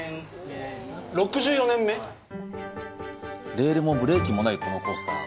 レールもブレーキもないコースター。